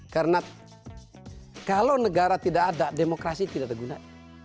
karena kalau negara tidak ada demokrasi tidak digunakan